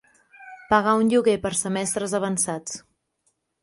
Pagar un lloguer per semestres avançats.